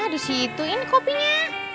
disitu ini kopinya